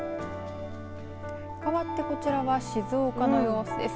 かわってこちらは静岡の様子です。